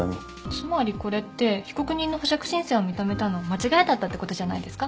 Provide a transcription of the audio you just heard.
つまりこれって被告人の保釈申請を認めたの間違いだったってことじゃないですか。